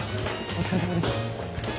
お疲れさまです。